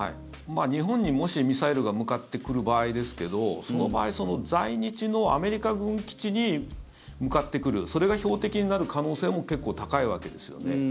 日本に、もしミサイルが向かってくる場合ですけどその場合、在日のアメリカ軍基地に向かってくるそれが標的になる可能性も結構高いわけですよね。